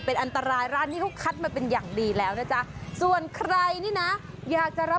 เป็นหม้อที่ได้รับมาตรฐานความปลอดภัยแล้วนะจ๊ะ